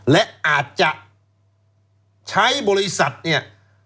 และอาจจะใช้บริษัทเนี่ย